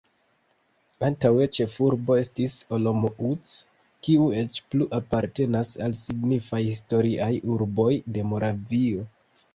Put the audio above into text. Antaŭe ĉefurbo estis Olomouc, kiu eĉ plu apartenas al signifaj historiaj urboj de Moravio.